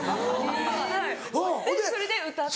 はいそれで歌って。